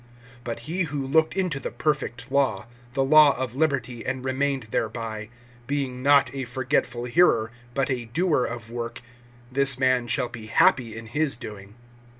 (25)But he who looked into the perfect law, the law of liberty, and remained thereby, being not a forgetful hearer, but a doer of work, this man shall be happy in his doing.